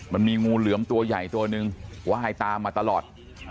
มันมีงูเหลือมตัวใหญ่ตัวนึงว่ายตามมาตลอด